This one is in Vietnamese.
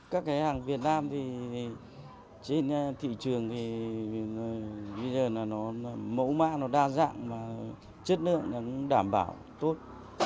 các cái hàng việt nam thì trên thị trường thì bây giờ là nó mẫu mã nó đa dạng và chất lượng nó cũng đảm bảo tốt